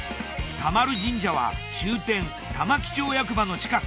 田丸神社は終点玉城町役場の近く。